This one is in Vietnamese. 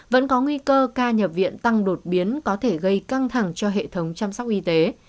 vẫn có nguy cơ ca nhập viện tăng đột biến có thể gây căng thẳng cho hệ thống chăm sóc y tế